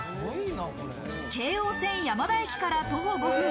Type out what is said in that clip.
京王線山田駅から徒歩５分。